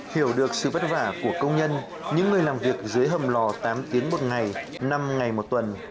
hiểu được sự vất vả của công nhân những người làm việc dưới hầm lò tám tiếng một ngày năm ngày một tuần